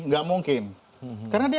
enggak mungkin karena dia